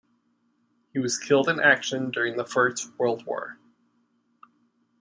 He was killed in action during the First World War.